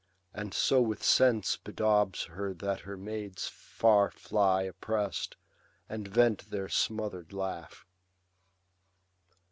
And so with scents bedaubs her that her maids Far fly oppress'd, and vent their smother'd laugh.